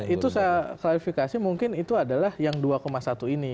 itu saya klarifikasi mungkin itu adalah yang dua satu ini